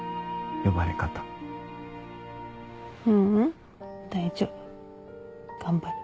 ううん大丈夫。